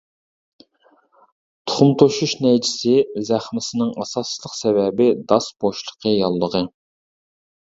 تۇخۇم توشۇش نەيچىسى زەخمىسىنىڭ ئاساسلىق سەۋەبى داس بوشلۇقى ياللۇغى.